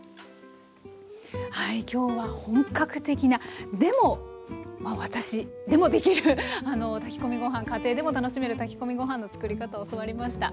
はい今日は本格的なでも私でもできる炊き込みご飯家庭でも楽しめる炊き込みご飯の作り方を教わりました。